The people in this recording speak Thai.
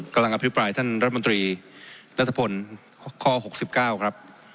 กำลังอภิกายท่านรัฐมนตรีรัฐพลข้อ๖๙ครับ